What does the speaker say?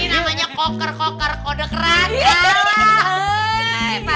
ini namanya koker koker kode kerana